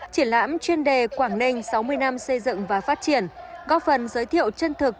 triển lãm chuyên đề quảng ninh sáu mươi năm xây dựng và phát triển góp phần giới thiệu chân thực